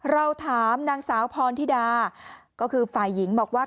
เราถามนางสาวพรธิดาก็คือฝ่ายหญิงบอกว่า